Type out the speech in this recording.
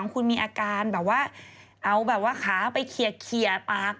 คุณมีอาการแบบว่าเอาแบบว่าขาไปเคลียร์ปาก